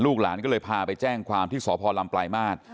หลานก็เลยพาไปแจ้งความที่สพลำปลายมาตร